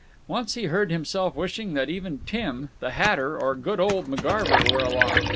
Once he heard himself wishing that even Tim, the hatter, or "good old McGarver" were along.